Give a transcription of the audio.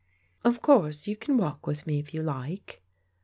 " Of course, you can walk with me if you like."